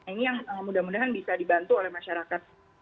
ini yang mudah mudahan bisa dibantu oleh masyarakat